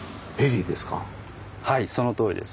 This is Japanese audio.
はいそのとおりです。